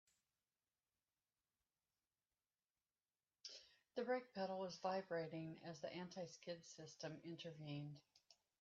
The brake pedal was vibrating as the anti-skid system intervened.